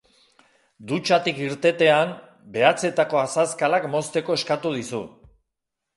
Dutxatik irtetean, behatzetako azazkalak mozteko eskatu dizu.